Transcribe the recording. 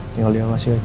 tinggal diawasi aja ya